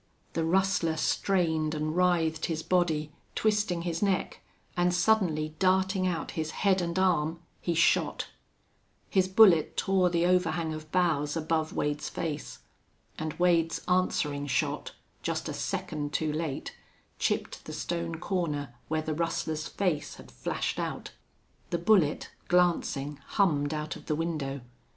The rustler strained and writhed his body, twisting his neck, and suddenly darting out his head and arm, he shot. His bullet tore the overhang of boughs above Wade's face. And Wade's answering shot, just a second too late, chipped the stone corner where the rustler's face had flashed out. The bullet, glancing, hummed out of the window.